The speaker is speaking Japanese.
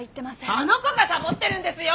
あの子がサボってるんですよ！